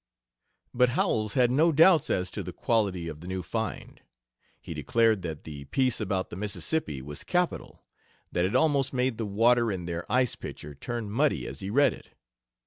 But Howells had no doubts as to the quality of the new find. He declared that the "piece" about the Mississippi was capital, that it almost made the water in their ice pitcher turn muddy as he read it.